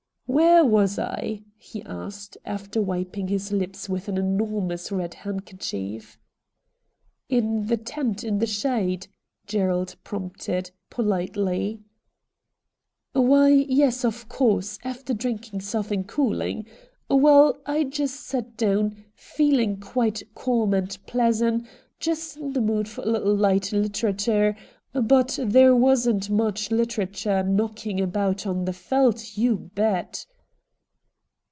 ' Where was I ?' he asked, after wiping his lips with an enormous red handkerchief. 'In the tent in the shade,' Gerald prompted, politely. ' Why, yes, of course, after drinkin' sothin' coolin'. Well, I just set down, feeling quite kam and pleas'nt, just in the mood for a little liorht Htteratoor : but there wasn't much litteratoor knocking about on the Veldt, you bet.'